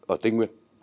ở tây nguyên